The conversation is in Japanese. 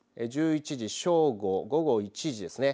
１１時正午、午後１時ですね。